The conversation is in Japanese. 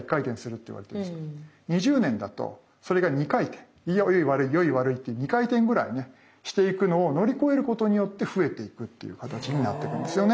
でも先生この一般的には良い悪い良い悪いって２回転ぐらいねしていくのを乗り越えることによって増えていくっていう形になってるんですよね。